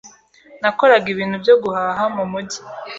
Nakoraga ibintu byo guhaha mumujyi.